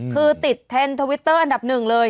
คือติดเทนทวิตเตอร์อันดับ๑เลย